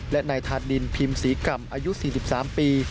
และนายธาดินพิมพ์ศรีกรรมอายุ๔๓ปี